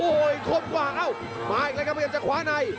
โอ้โหคมคว่างทำจากควาใน